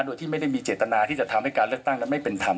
โดยที่ไม่ได้มีเจตนาที่จะทำให้การเลือกตั้งนั้นไม่เป็นธรรม